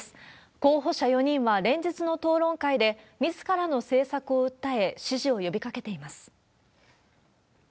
候補者４人は連日の討論会で、みずからの政策を訴え、支持を呼びかけています。